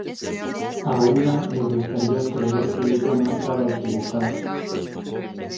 A una le gustaría creer que ella no estaba equivocada.